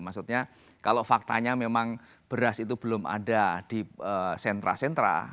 maksudnya kalau faktanya memang beras itu belum ada di sentra sentra